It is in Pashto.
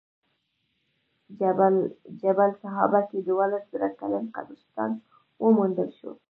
جبل سحابه کې دولس زره کلن قبرستان وموندل شو.